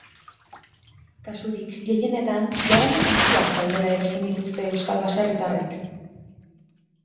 Kasurik gehienetan jadanik antzuak daudela erosten dituzte euskal baserritarrek.